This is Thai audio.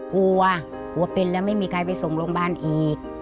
กลัวกลัวเป็นแล้วไม่มีใครไปส่งโรงพยาบาลอีก